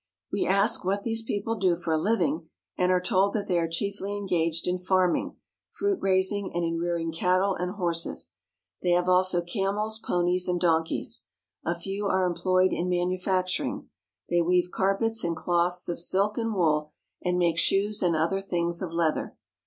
We ask what these people do for a living and are told that they are chiefly engaged in farming, fruit raising, and in rearing cattle and horses. They have also camels, ponies, and donkeys. A few are employed in manufactur ing. They weave carpets and cloths of silk and wool, and make shoes and other things of leather.